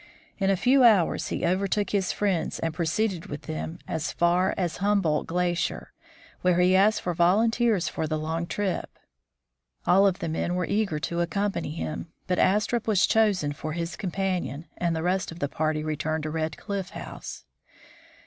In a few hours he overtook his friends and proceeded with them as far as 140 THE FROZEN NORTH Humboldt glacier, where he asked for volunteers for the long trip. All of the men were eager to accompany him, but Astrup was chosen for his companion, and the rest of the party returned to Red Cliff House.